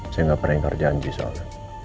saya nggak pernah ingkar janji soalnya